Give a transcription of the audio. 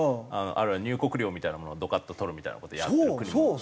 あるいは入国料みたいなものをドカッと取るみたいな事やってる国もたくさんあります。